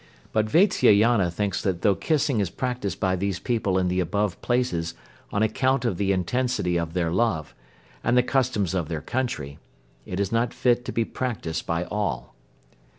But Vatsyayana thinks that though kissing is practised by these people in the above places on account of the intensity of their love, and the customs of their country, it is not fit to be practised by all.